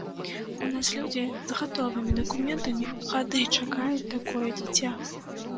У нас людзі з гатовымі дакументамі гады чакаюць такое дзіця.